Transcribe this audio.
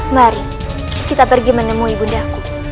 mari kita pergi menemui ibu daku